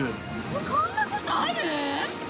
こんなことある？